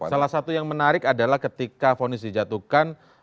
salah satu yang menarik adalah ketika fonis dijatuhkan